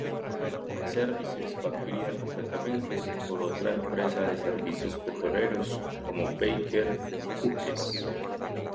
Services fue adquirida completamente por otra empresa de servicios petroleros como Baker Hughes.